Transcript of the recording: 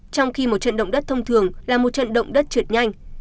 trong khi một trận động đất thông thường là một trận động đất trượt nhanh